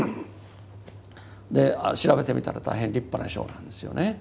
調べてみたら大変立派な賞なんですよね。